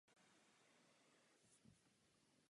Za použitelný prostředek se považuje také citron.